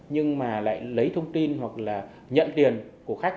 nhưng mà lại lấy thông tin hoặc là nhận tiền của khách